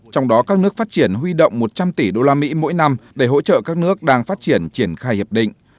trong đó các nước phát triển huy động một trăm linh tỷ usd mỗi năm để hỗ trợ các nước đang phát triển triển khai hiệp định